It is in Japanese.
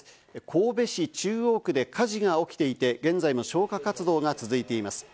神戸市中央区で火事が起きていて、現在の消火活動が続いています。